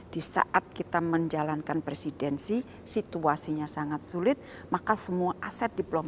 disaat kita menjalankan presidensi situasinya sangat sulit maka semua aset diplomasi kita percaya